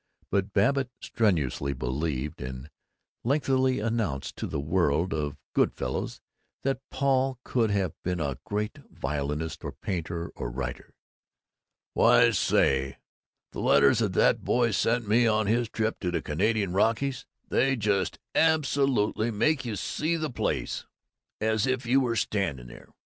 But Babbitt strenuously believed and lengthily announced to the world of Good Fellows that Paul could have been a great violinist or painter or writer. "Why say, the letters that boy sent me on his trip to the Canadian Rockies, they just absolutely make you see the place as if you were standing there.